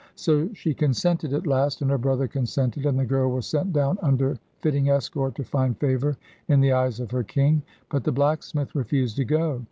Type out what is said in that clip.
So she consented at last, and her brother consented, and the girl was sent down under fitting escort to find favour in the eyes of her king. But the blacksmith refused to go.